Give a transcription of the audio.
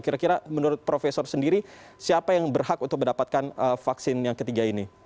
kira kira menurut profesor sendiri siapa yang berhak untuk mendapatkan vaksin yang ketiga ini